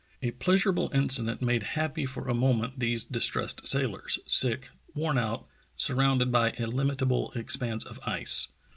A pleasurable incident made happy for a moment these distressed sailors, sick, worn out, surrounded by an illimitable expanse of ice.